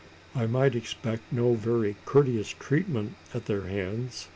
I might expect no very courteous treatment at their hands.